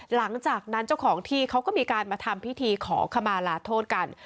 หลังจากนั้นเจ้าของที่เขาก็มีการมาทำพิธีขอขมาลาโทษกัน